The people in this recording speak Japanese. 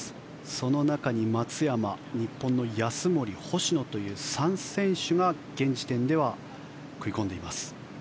その中に松山日本の安森、星野という３選手が現時点では食い込んでいます。